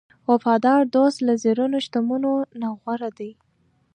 وفادار دوست له زرینو شتمنیو نه غوره دی.